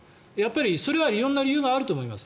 それは色んな理由があると思います。